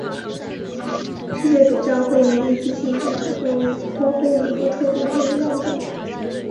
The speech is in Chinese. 世界主教会议依其性质可分为普通会议和特别会议两种。